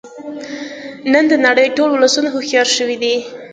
نن د نړۍ ټول ولسونه هوښیار شوی دی